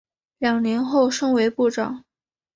两年后升为部长。